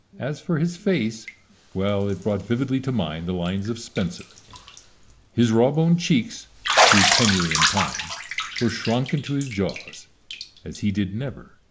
As for his face well, it brought vividly to mind the lines of Spenser His rawbone cheekes, through penurie and pine, Were shronke into his jawes, as he did never dyne.